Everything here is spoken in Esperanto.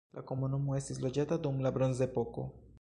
La komunumo estis loĝata dum la bronzepoko.